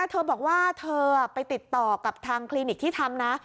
เธอบอกว่าเธอไปติดต่อกับทางคลินิกที่ทำนะ